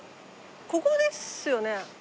ここですよね？